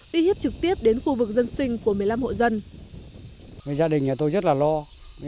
uy hiếp trực tiếp đến khu vực dân sinh của một mươi năm hộ dân